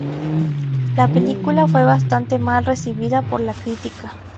La película fue bastante mal recibida por la crítica.